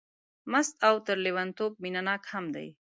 مست او تر لېونتوب مینه ناک هم دی.